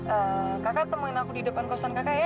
eee kakak temuin aku di depan kosan kakak ya